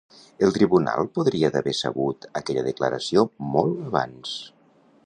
El tribunal podria d'haver sabut aquella declaració molt abans.